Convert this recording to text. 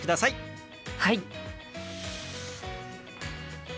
はい。